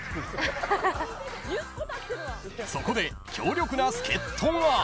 ［そこで強力な助っ人が］